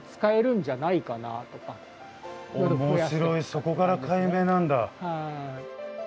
そこから解明なんだ。